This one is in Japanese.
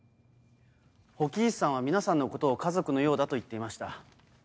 火鬼壱さんは皆さんのことを家族のようだと言っていました。